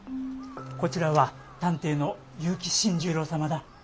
こちらは探偵の結城新十郎様だ。